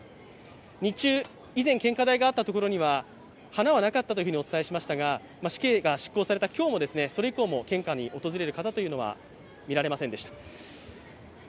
日中、以前献花台にがあったところは花はなかったとお伝えしましたが、死刑が執行された今日も、それ以降も献花に訪れる方というのは見られませんでした。